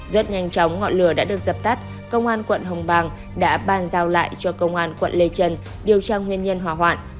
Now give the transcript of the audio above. rất nhanh chóng ngọn lửa đã được dập tắt công an quận hồng bàng đã bàn giao lại cho công an quận lê trần điều tra nguyên nhân hỏa hoạn